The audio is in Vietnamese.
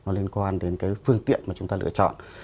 nó liên quan đến cái phương tiện mà chúng ta lựa chọn